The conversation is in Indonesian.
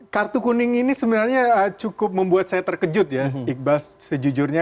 kartu kuning ini sebenarnya cukup membuat saya terkejut ya iqbal sejujurnya